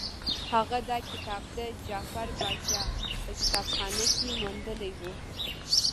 هغه دا کتاب د جعفر پاشا په کتابخانه کې موندلی وو.